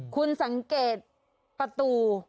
คุณสังเกตประตู